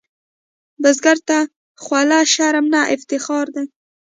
بزګر ته خوله شرم نه، افتخار دی